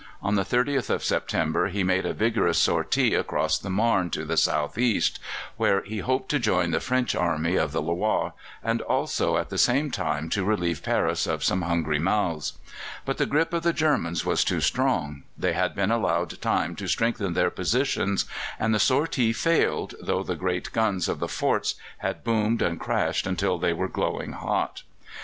On the 30th of September he made a vigorous sortie across the Marne, to the south east, where he hoped to join the French army of the Loire, and also at the same time to relieve Paris of some hungry mouths. But the grip of the Germans was too strong. They had been allowed time to strengthen their positions, and the sortie failed, though the great guns of the forts had boomed and crashed until they were glowing hot.